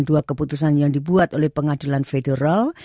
dua keputusan yang dibuat oleh pengadilan federal